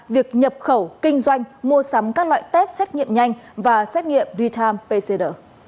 việc nhập khẩu kinh doanh mua sắm các loại test xét nghiệm nhanh và xét nghiệm retime pcr